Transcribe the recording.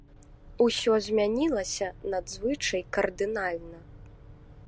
Усё змянілася надзвычай кардынальна.